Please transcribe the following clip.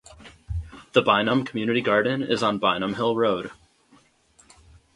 The Bynum Community Garden is on Bynum Hill Road.